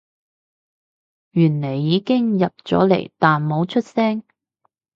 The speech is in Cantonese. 原來已經入咗嚟但冇出聲